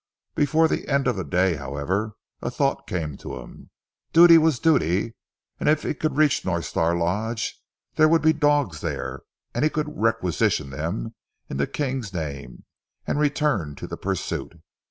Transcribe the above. Before the end of the day, however, a thought came to him. Duty was duty, and if he could reach North Star Lodge, there would be dogs there, and he could requisition them in the King's name, and return to the pursuit.